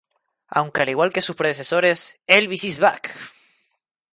Aunque al igual que sus predecesores "Elvis Is Back!